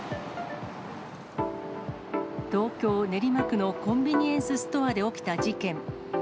東京・練馬区のコンビニエンスストアで起きた事件。